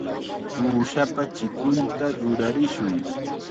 Uushapa chikunta rurarishun.